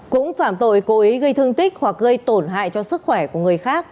cũng phạm tội cố ý gây thương tích hoặc gây tổn hại cho sức khỏe của người khác